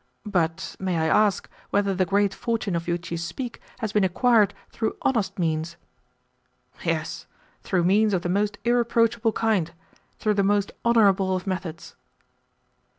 But may I ask whether the great fortune of which you speak has been acquired through honest means?" "Yes; through means of the most irreproachable kind through the most honourable of methods."